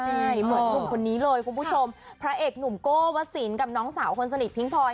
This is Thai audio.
ใช่เหมือนหนุ่มคนนี้เลยคุณผู้ชมพระเอกหนุ่มโก้วสินกับน้องสาวคนสนิทพิ้งพลอย